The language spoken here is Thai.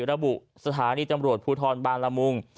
ระบุสถานีตำรวจภูทรบางละมุง